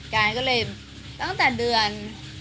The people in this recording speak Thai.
กายก็เลยตั้งแต่เดือน